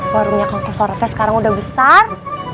warungnya kangkom sorbet sekarang udah besar